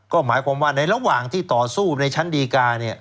ก็หมายความว่าในระหว่างที่ต่อสู้ในชั้นดีกาเนี่ย